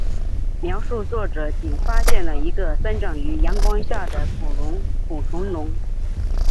描述作者仅发现了一个生长于阳光下的捕虫笼。